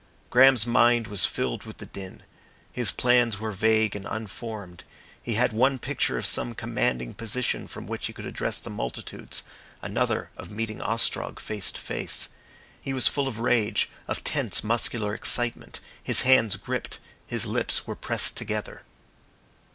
Graham's mind was filled with the din. His plans were vague and unformed. He had one picture of some commanding position from which he could address the multitudes, another of meeting Ostrog face to face. He was full of rage, of tense muscular excitement, his hands gripped, his lips were pressed together.